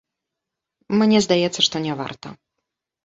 Мне здаецца, што няварта.